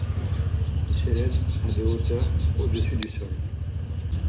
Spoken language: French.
Il s'élève à de hauteur au-dessus du sol.